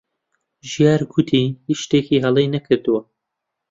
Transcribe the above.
ژیار گوتی هیچ شتێکی هەڵەی نەکردووە.